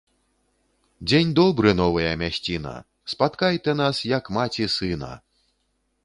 Дзень добры, новая мясціна! Спаткай ты нас, як маці сына